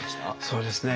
そうですね